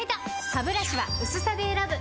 ハブラシは薄さで選ぶ！